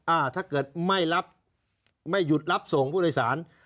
อ่าถ้าเกิดไม่หยุดรับส่งผู้โดยสาร